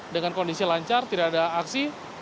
dengan kondisi lancar tidak ada aksi